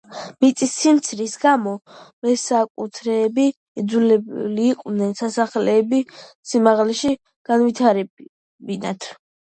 მიწის სიმცირის გამო, მესაკუთრეები იძულებულნი იყვნენ სასახლეები სიმაღლეში განევითარებინათ.